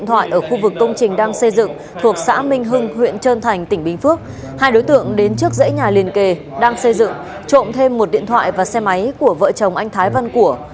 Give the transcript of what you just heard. thuộc xã minh hưng huyện trơn thành tỉnh bình phước hai đối tượng đến trước dãy nhà liền kề đang xây dựng trộm thêm một điện thoại và xe máy của vợ chồng anh thái văn của